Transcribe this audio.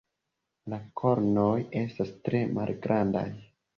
La kornoj estas tre malgrandaj.